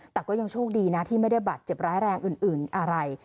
แต่ก็ยังโชคดีนะที่ไม่ได้บาดเจ็บร้ายแรงอื่นอะไร